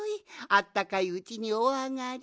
あったかいうちにおあがり。